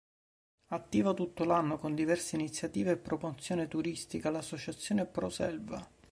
Attiva tutto l'anno, con diverse iniziative e promozione turistica, l'Associazione Pro Selva.